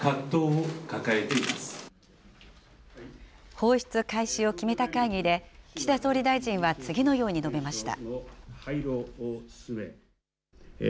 放出開始を決めた会議で、岸田総理大臣は次のように述べました。